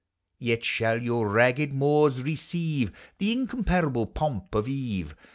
Yet shall your ragged moors receive The incomparable pomp of eve.